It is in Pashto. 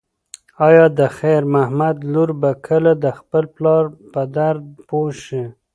ایا د خیر محمد لور به کله د خپل پلار په درد پوه شي؟